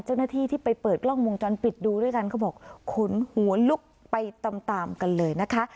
เจ้าหน้าที่ที่ไปเปิดกล้องวงจรปิดดูด้วยกันเขาบอกขนหัวลุกไปตามตามกันเลยนะคะ